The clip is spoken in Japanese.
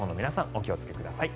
お気をつけください。